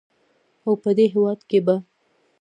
او په دې هېواد کې به